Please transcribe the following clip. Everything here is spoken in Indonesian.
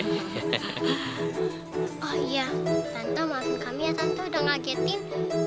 tante maafin kami ya tante udah ngagetin